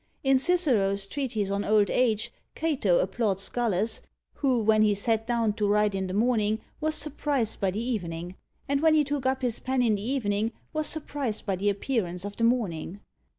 In Cicero's Treatise on Old Age, Cato applauds Gallus, who, when he sat down to write in the morning, was surprised by the evening; and when he took up his pen in the evening was surprised by the appearance of the morning.